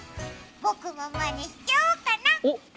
僕もまねしちゃおうかなっ。